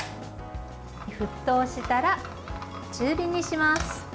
沸騰したら中火にします。